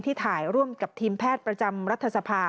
ถ่ายร่วมกับทีมแพทย์ประจำรัฐสภา